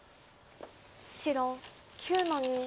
白９の二。